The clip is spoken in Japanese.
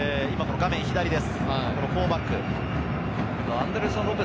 画面左です。